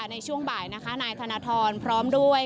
ในช่วงบ่ายนะคะนายธนทรพร้อมด้วย